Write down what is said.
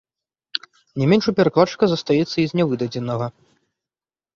Не менш у перакладчыка застаецца і з нявыдадзенага.